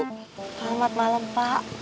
selamat malam pak